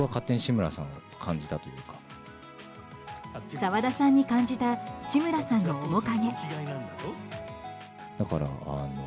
沢田さんに感じた志村さんの面影。